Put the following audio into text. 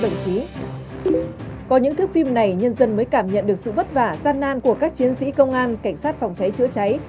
có những thức phim này nhân dân mới cảm nhận được sự vất vả gian nan của các chiến sĩ công an cảnh sát phòng cháy chữa cháy